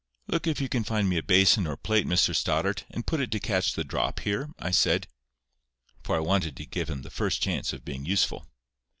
"Look if you can find a basin or plate, Mr Stoddart, and put it to catch the drop here," I said. For I wanted to give him the first chance of being useful.